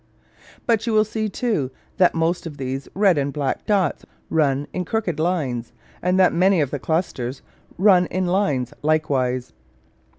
But you will see, too, that most of these red and black dots run in crooked lines; and that many of the clusters run in lines likewise.